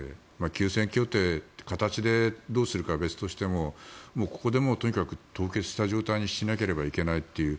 休戦協定という形でどうするかは別としてもここでもうとにかく凍結した状態にしなければいけないという。